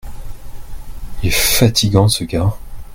Il est fatigant ce gars.